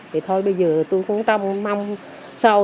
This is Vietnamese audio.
thì thôi bây giờ tôi cũng trong năm sau